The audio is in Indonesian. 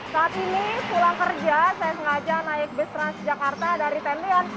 saat ini pulang kerja saya sengaja naik bus tras jakarta dari tendean